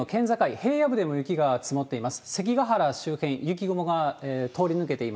平野部でも雪が積もっています。